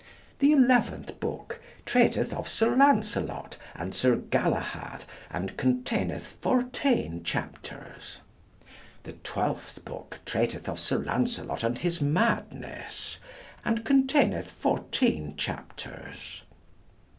The eleventh book treateth of Sir Lancelot and Sir Galahad, and containeth 14 chapters. The twelfth book treateth of Sir Lancelot and his madness, and containeth 14 chapters.